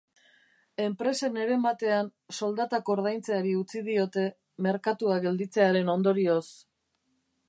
Enpresen heren batean soldatak ordaintzeari utzi diote merkatua gelditzearen ondorioz.